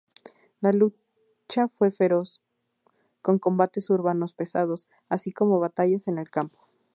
La lucha fue feroz, con combates urbanos pesados, así como batallas en el campo.